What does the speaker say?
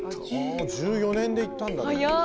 １４年でいったんだでも。